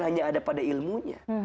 hanya ada pada ilmunya